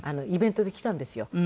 イベントで来たんですよ。